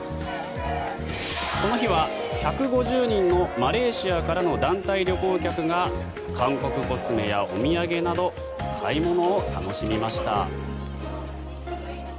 この日は１５０人のマレーシアからの団体旅行客が韓国コスメやお土産など買い物を楽しみました。